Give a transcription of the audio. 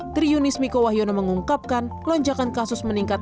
triunis miko wahyono mengungkapkan lonjakan kasus meningkat